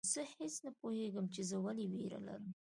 او زه هیڅ نه پوهیږم چي زه ولي ویره لرم